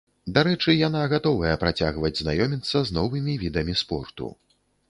Дарэчы, яна гатовая працягваць знаёміцца з новымі відамі спорту.